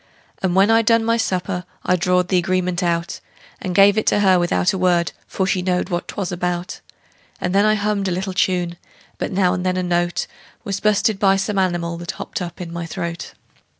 And when I'd done my supper I drawed the agreement out, And give it to her without a word, for she knowed what 'twas about; And then I hummed a little tune, but now and then a note Was bu'sted by some animal that hopped up in my throat.